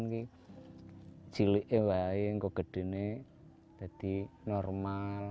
kecil lagi masih besar jadi normal